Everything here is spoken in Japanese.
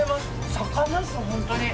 魚です、本当に。